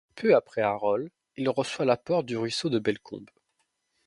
Peu après Araules il reçoit l'apport du ruisseau de Bellecombe.